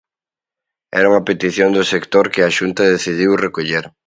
Era unha petición do sector que a Xunta decidiu recoller.